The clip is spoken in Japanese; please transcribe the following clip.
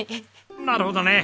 なるほどね！